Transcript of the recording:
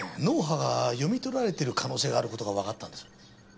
脳波が読み取られている可能性がある事がわかったんです。